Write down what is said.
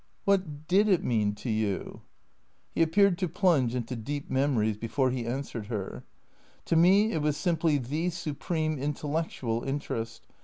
" What did it mean — to you ?" He appeared to plunge into deep memories before he answered her. "To me it was simply the supreme intellectual interest.